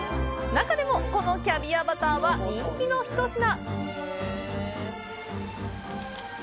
中でも、このキャビアバターは人気の一品。